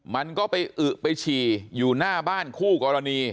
มันก็ไปอึไปฉี่อยู่หน้าบ้านคู่กรณี